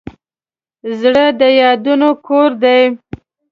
زړه د یادونو کور دی.